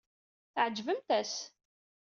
Tɛejbemt-as!